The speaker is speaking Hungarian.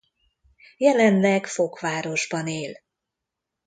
Jelenleg Fokvárosban él.